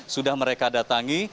sudah mereka datangi